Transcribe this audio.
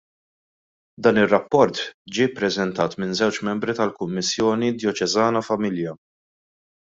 Dan ir-rapport ġie ppreżentat minn żewġ membri tal-Kummissjoni Djoċesana Familja.